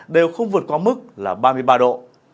đều không vượt qua mức là ba mươi ba độ